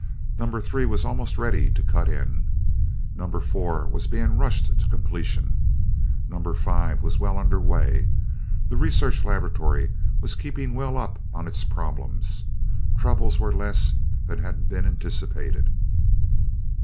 Number Three was almost ready to cut in. Number Four was being rushed to completion. Number Five was well under way. The research laboratory was keeping well up on its problems. Troubles were less than had been anticipated.